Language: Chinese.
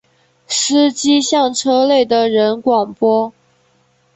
司机向车内的人广播